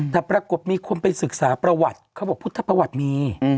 แต่ปรากฏมีคนไปศึกษาประวัติเขาบอกพุทธประวัติมี